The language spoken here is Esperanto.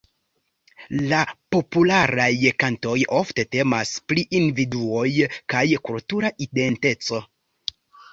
La popularaj kantoj ofte temas pri individuoj kaj kultura identeco.